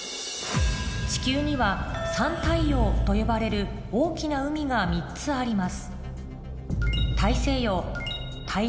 地球には三大洋と呼ばれる大きな海が３つあります